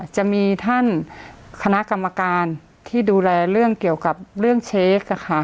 จะมีท่านคณะกรรมการที่ดูแลเรื่องเกี่ยวกับเรื่องเช็ค